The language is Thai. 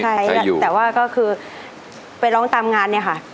ใช้แต่ว่าก็คือไปร้องตามงานเนี่ยค่ะ